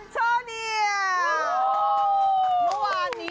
สวัสดีครับแอนโทเนีย